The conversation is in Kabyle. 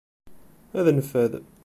Ad neffad.